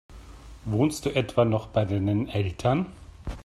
Wohnst du etwa noch bei deinen Eltern?